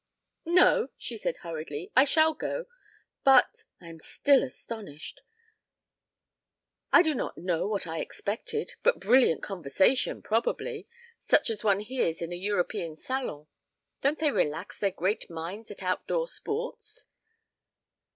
"No," she said hurriedly. "I shall go. But I am still astonished. I do not know what I expected. But brilliant conversation, probably, such as one hears in a European salon. Don't they relax their great minds at outdoor sports?